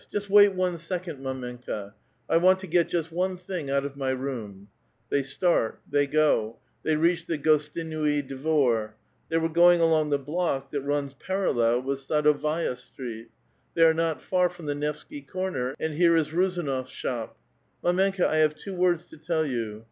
Just wait one second, mdmenka; I want to get just one thing out of my room." X'Liey start ; they go. They reached the Gostinui Dvor. They were going along the block that runs parallel with ^adovaia Street ; they are not far from the Nevsky comer, fi 'icl here is Ruzanof's shop. ■ Jifdmenkd^ I have two words to ti41 you."